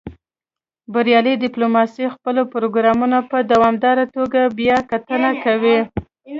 بریالۍ ډیپلوماسي خپل پروګرامونه په دوامداره توګه بیاکتنه کوي